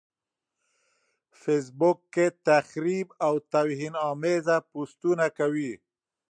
فېس بوک کې تخريب او توهيناميز پوسټونه کوي.